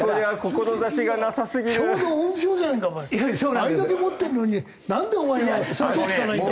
あれだけ持ってるのになんでお前は嘘つかないんだお前。